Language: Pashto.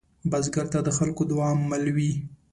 بزګر ته د خلکو دعاء مل وي